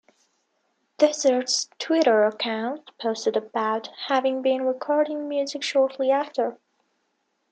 Desert's Twitter account posted about having been recording music shortly after.